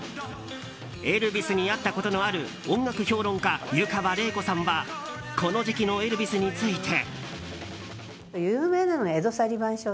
エルヴィスに会ったことのある音楽評論家・湯川れい子さんはこの時期のエルヴィスについて。